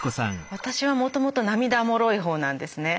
私はもともと涙もろい方なんですね。